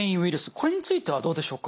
これについてはどうでしょうか？